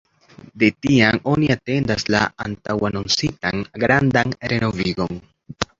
De tiam oni atendas la antaŭanoncitan grandan renovigon.